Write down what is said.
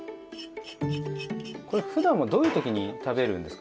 これふだんはどういう時に食べるんですかね？